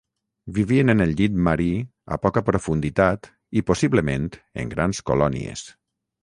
Vivien en el llit marí a poca profunditat i possiblement en grans colònies.